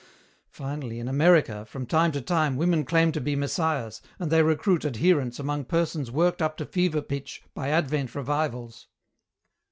Finally, in America, from time to time, women claim to be Messiahs, and they recruit adherents among persons worked up to fever pitch by Advent revivals."